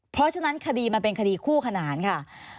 เพราะฉะนั้นคดีมันเป็นคดีคู่ขนานค่ะ